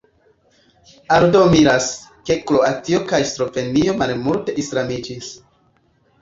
Aldo miras, ke Kroatio kaj Slovenio malmulte islamiĝis.